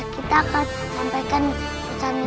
kita akan sampaikan pesanmu